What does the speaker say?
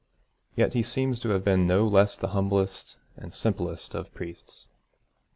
Yet he seems to have been no less the humblest and simplest of priests.